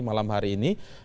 malam hari ini